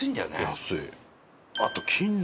安い！